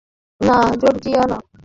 না, জর্জিয়া।